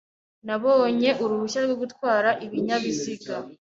Nabonye uruhushya rwo gutwara ibinyabiziga